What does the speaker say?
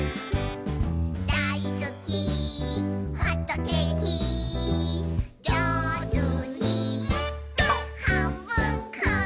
「だいすきホットケーキ」「じょうずにはんぶんこ！」